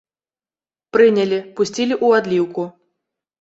Прынялі, пусцілі ў адліўку.